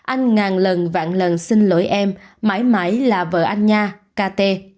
anh ngàn lần vạn lần xin lỗi em mãi mãi là vợ anh nha kt